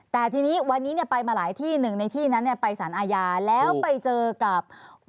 แต่ทีนี้วันนี้เนี่ยไปมาหลายที่หนึ่งในที่นั้นเนี่ยไปสารอาญาแล้วไปเจอกับ